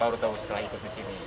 baru tahu setelah itu di sini